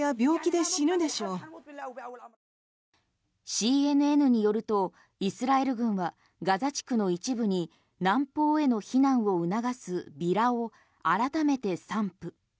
ＣＮＮによるとイスラエル軍はガザ地区の一部に南方への避難を促すビラを改めて散布。